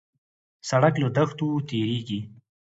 سړک له دښتو تېرېږي.